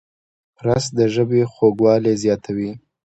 رس د ژبې خوږوالی زیاتوي